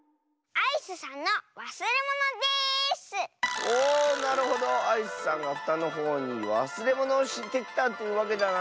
アイスさんがふたのほうにわすれものをしてきたというわけだな？